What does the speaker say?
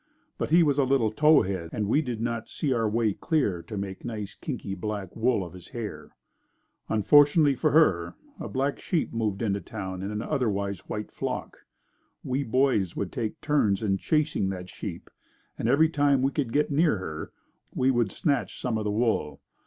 But he was a little tow head and we did not see our way clear to make nice kinky black wool of his hair. Unfortunately for her, a black sheep moved into town in an otherwise white flock. We boys would take turns in chasing that sheep and every time we could get near her, we would snatch some of the wool.